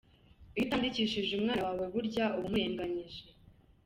Iyo utandikishije umwana wawe burya uba umurenganyije.